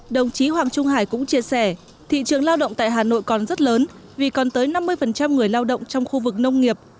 đồng chí hoàng trung hải cũng chia sẻ thị trường lao động tại hà nội còn rất lớn vì còn tới năm mươi người lao động trong khu vực nông nghiệp